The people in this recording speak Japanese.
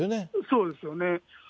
そうですよね。